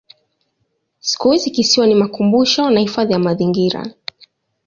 Siku hizi kisiwa ni makumbusho na hifadhi ya mazingira.